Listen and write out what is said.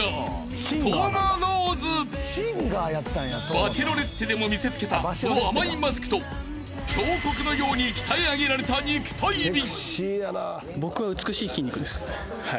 ［『バチェロレッテ』でも見せつけたその甘いマスクと彫刻のように鍛え上げられた肉体美］